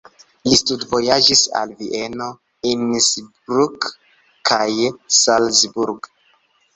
Li studvojaĝis al Vieno, Innsbruck kaj Salzburg.